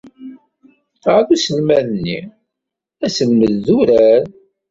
Ɣer uselmad-nni, asselmed d urar.